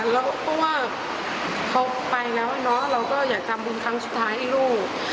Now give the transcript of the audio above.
เพราะว่าเขาไปแล้วเนอะเราก็อยากทำบุญครั้งสุดท้ายให้ลูก